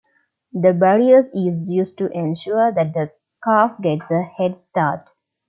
The barrier is used to ensure that the calf gets a head start.